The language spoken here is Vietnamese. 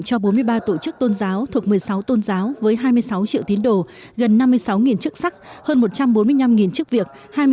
cho bốn mươi ba tổ chức tôn giáo thuộc một mươi sáu tôn giáo với hai mươi sáu triệu tín đồ gần năm mươi sáu chức sắc hơn một trăm bốn mươi năm chức việc